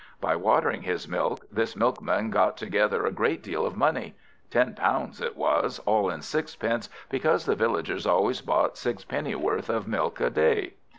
By watering his milk, this Milkman got together a great deal of money: ten pounds it was, all in sixpences, because the villagers always bought sixpennyworth of milk a day.